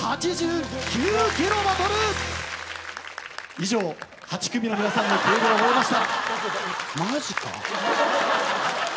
以上８組の皆さんの計量を終えました。